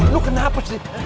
lu kenapa sih